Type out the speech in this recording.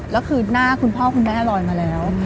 แล้วคือหน้าคุณพ่อคุณแม่ลอยมาแล้ว